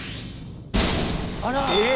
あら！